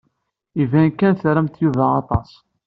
Iban kan tramt Yuba aṭas.